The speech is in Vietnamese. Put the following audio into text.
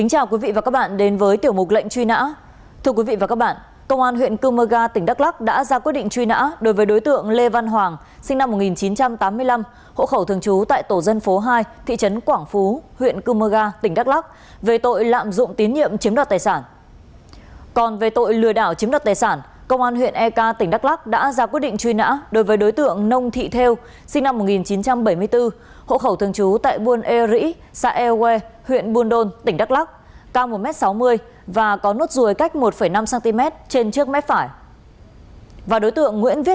hãy đăng ký kênh để ủng hộ kênh của chúng mình nhé